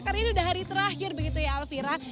karena ini sudah hari terakhir begitu ya elvira